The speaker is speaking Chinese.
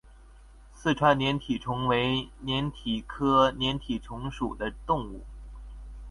四川粘体虫为粘体科粘体虫属的动物。